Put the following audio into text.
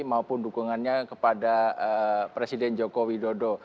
maupun dukungannya kepada presiden joko widodo